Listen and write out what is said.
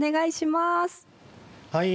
「はい。